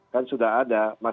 kan sudah ada